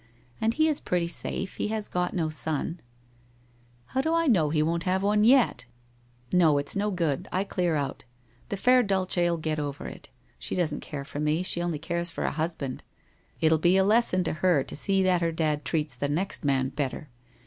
And he is pretty safe— he has got no son/ * How do I know he won't liave one yet ? No, it's no good, I clear out. The fair Dulce'll get over it. She doesn't care for me; she only cares for a husband. It WHITE ROSE OF WEARY LEAF 107 will be a lesson to her to see that her dad treats the next man better.